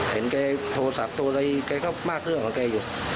เห็นโทรศัพท์อะไรแกก็มากเรื่องของเขาอยู่